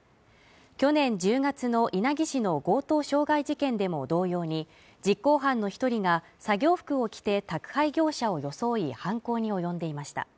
去年１０月の稲城市の強盗傷害事件でも同様に実行犯の一人が作業服を着て宅配業者を装い犯行に及んでいました